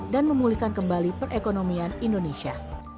dan memulihkan kembali perekonomian indonesia